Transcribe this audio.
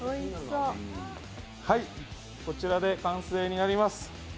こちらで完成になります。